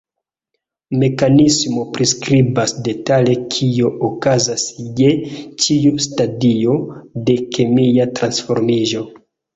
Mekanismo priskribas detale kio okazas je ĉiu stadio de kemia transformiĝo.